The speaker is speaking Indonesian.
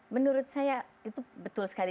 menurut saya itu betul sekali